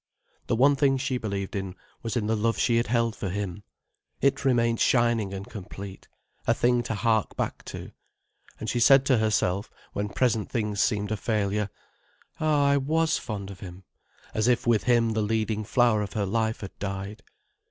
The one thing she believed in was in the love she had held for him. It remained shining and complete, a thing to hark back to. And she said to herself, when present things seemed a failure: "Ah, I was fond of him," as if with him the leading flower of her life had died.